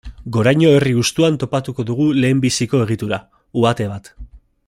Goraño herri hustuan topatuko dugu lehenbiziko egitura, uhate bat.